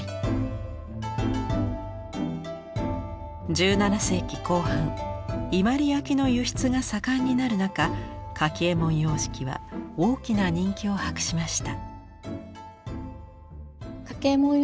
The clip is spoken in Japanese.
１７世紀後半伊万里焼きの輸出が盛んになる中柿右衛門様式は大きな人気を博しました。